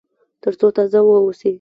تر څو تازه واوسي.